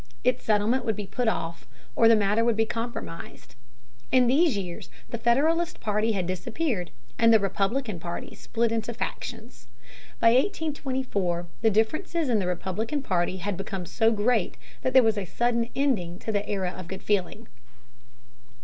Its settlement would be put off, or the matter would be compromised. In these years the Federalist party disappeared, and the Republican party split into factions. By 1824 the differences in the Republican party had become so great that there was a sudden ending to the Era of Good Feeling.